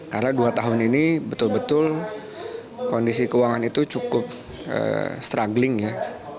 karena dua tahun ini betul betul kondisi keuangan itu cukup struggling ya